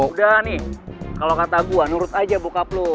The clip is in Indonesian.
udah nih kalo kata gue nurut aja bokap lo